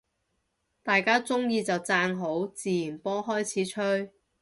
大家鍾意就讚好，自然波開始吹